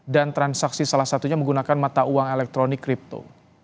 dan transaksi salah satunya menggunakan mata uang elektronik kripto